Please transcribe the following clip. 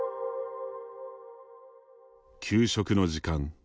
給食の時間。